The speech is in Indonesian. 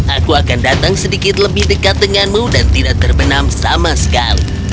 aku akan datang sedikit lebih dekat denganmu dan tidak terbenam sama sekali